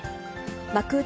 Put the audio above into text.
幕内